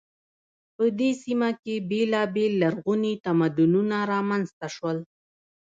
په دې سیمه کې بیلابیل لرغوني تمدنونه رامنځته شول.